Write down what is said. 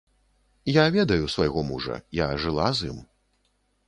Я ведаю свайго мужа, я жыла з ім.